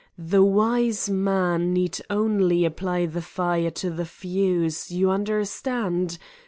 The wise man need only apply the fire to the fuse, you understand?